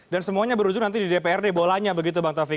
dan semuanya berusaha nanti di dprd bolanya begitu pak taufik